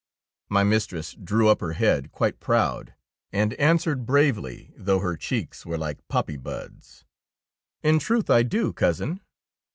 ^ My mistress drew up her head quite proud, and answered bravely, though her cheeks were like poppy buds, — ''In truth I do. Cousin.